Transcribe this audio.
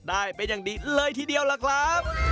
ได้เป็นอย่างดีเลยทีเดียวล่ะครับ